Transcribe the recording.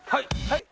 はい？